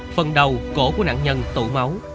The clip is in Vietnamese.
phần đầu cổ của nạn nhân tụ máu